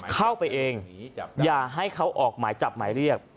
เข้าไปเองอย่าให้เขาออกหมายจับหมายเรียก